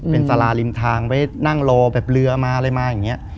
เป็นสาราริมทางไว้นั่งรอแบบเรือมา